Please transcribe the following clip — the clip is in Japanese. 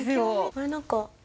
これ何か。